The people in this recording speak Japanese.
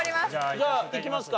じゃあいきますか。